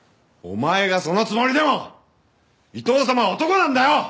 お前がそのつもりでも伊藤様は男なんだよ！